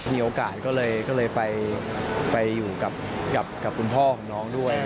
มีโอกาสก็เลยไปอยู่กับคุณพ่อของน้องด้วย